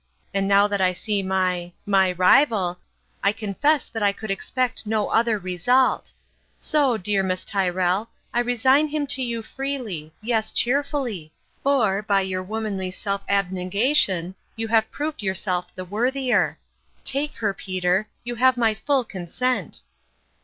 And now that I see my my rival, I confess that I could expect no other result. So, dear Miss Tyrrell, I resign him to you freely yes, cheerfully for, by your womanly self abnegation you have proved yourself the worthier. Take her, Peter ; you have my full consent